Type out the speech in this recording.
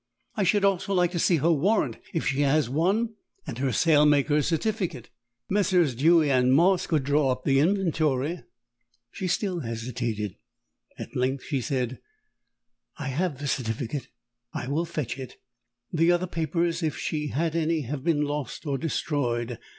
I should also like to see her warrant if she has one, and her sailmaker's certificate. Messrs. Dewy and Moss could draw up the inventory." She still hesitated. At length she said, "I have the certificate; I will fetch it. The other papers, if she had any, have been lost or destroyed.